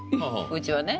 うちはね。